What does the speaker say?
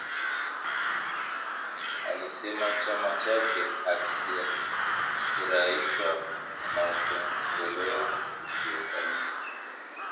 Alisema chama chake hakijafurahishwa na upendeleo uliofanyika